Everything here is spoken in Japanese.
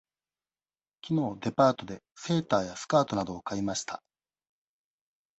きのうデパートでセーターやスカートなどを買いました。